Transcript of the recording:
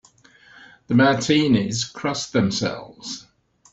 The Martinis cross themselves.